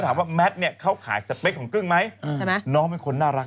ถามว่าแมทย์เนี่ยเข้าขายสเปคของกึ้งไหมใช่ไหมน้องเป็นคนน่ารัก